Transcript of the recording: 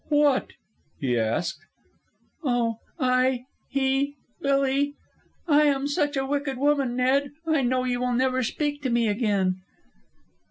"What?" he asked. "Oh, I... he... Billy. "I am such a wicked woman, Ned. I know you will never speak to me again."